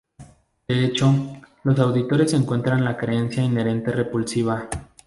De hecho, los Auditores encuentran la creencia inherentemente repulsiva.